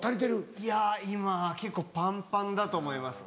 いや今は結構パンパンだと思います。